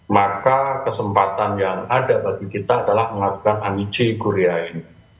maka kesempatan yang ada bagi kita adalah mengadukan amici kurie ini